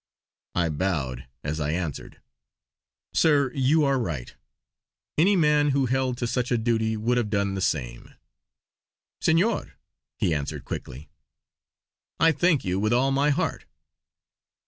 I bowed as I answered; "Sir, you are right! Any man who held to such a duty would have done the same." "Senor," he answered quickly, "I thank you with all my heart!"